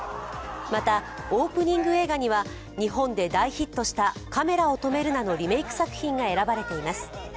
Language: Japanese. またオープニング映画には日本で大ヒットした「カメラを止めるな！」のリメーク作品が選ばれています。